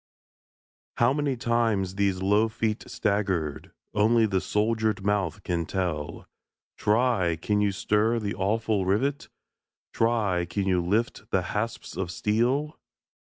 How many times these low feet staggered, Only the soldered mouth can tell; Try! can you stir the awful rivet? Try! can you lift the hasps of steel?